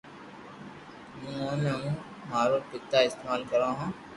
او ني ھون ھين مارو پيتا استمعال ڪرو ھون